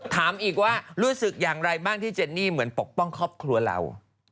ถามอีกว่ารู้สึกอย่างไรบ้างที่เจนนี่เหมือนปกป้องครอบครัวเรา